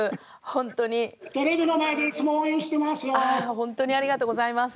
ホントにありがとうございます。